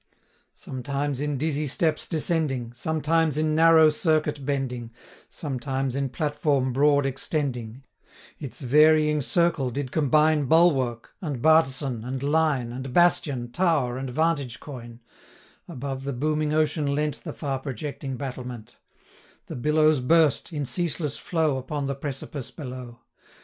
40 Sometimes in dizzy steps descending, Sometimes in narrow circuit bending, Sometimes in platform broad extending, Its varying circle did combine Bulwark, and bartisan, and line, 45 And bastion, tower, and vantage coign: Above the booming ocean leant The far projecting battlement; The billows burst, in ceaseless flow, Upon the precipice below.